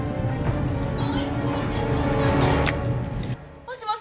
もしもし！